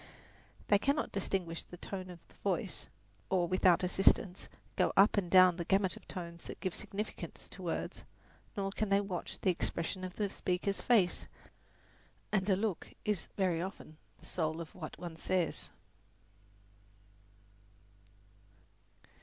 They cannot distinguish the tone of the voice or, without assistance, go up and down the gamut of tones that give significance to words; nor can they watch the expression of the speaker's face, and a look is often the very soul of what one says.